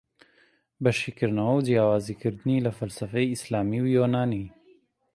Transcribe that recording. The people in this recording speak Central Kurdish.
بە شیکردنەوەو جیاوزی کردنی لە فەلسەفەی ئیسلامی و یۆنانی